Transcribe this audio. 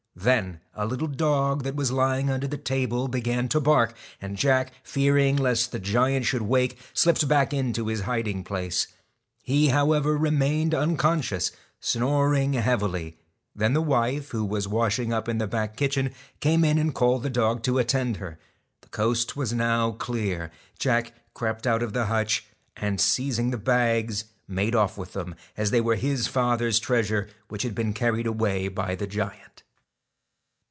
10 Then a little dog that was lying under the table JACK began to bark, and Jack, fearing lest the giant A1 {|1 T .? should wake, slipped back into his hiding place. JTAL He however remained unconscious, snoring heavily; then the wife, who was washing up in the back kitchen, came in and called the dog to attend her. The coast was now clear. Jack crept out of the hutch, and, seizing the bags, made off with them, as they were his father's treasure which had been carried away by the giant.